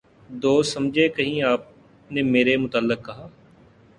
دوست سمجھے کہیں آپ نے میرے متعلق کہا